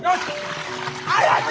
早く！